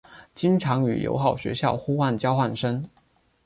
经常与友好学校互换交换生。